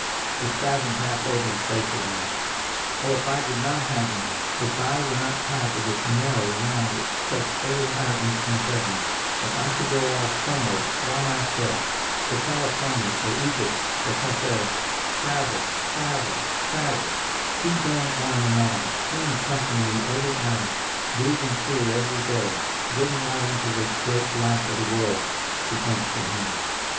The spasm passed over her face again. "Oh, if I did not have him, if I were not tied to this narrow round which chokes every higher instinct of me, if I could go off somewhere by myself, to California or Egypt, or Cathay—travel, travel, travel, keep going on and on, seeing something new every hour, breathing freer every day, getting out into the great life of the world!" She clenched her hands.